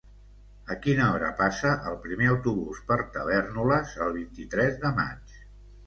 A quina hora passa el primer autobús per Tavèrnoles el vint-i-tres de maig?